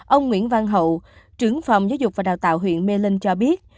ông nguyễn văn hậu trưởng phòng giáo dục và đào tạo huyện mê linh cho biết